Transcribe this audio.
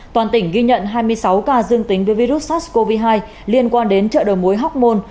toàn tỉnh ghi nhận hai mươi sáu ca dương tính với virus sars cov hai liên quan đến chợ đầu mối hóc môn